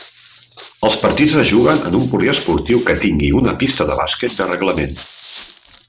Els partits es juguen en un poliesportiu que tingui una pista de bàsquet de reglament.